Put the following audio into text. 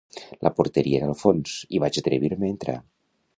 La porteria era al fons, i vaig atrevir-me a entrar.